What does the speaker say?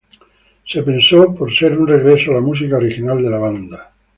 Se pensó por ser un regreso a la música original de la banda.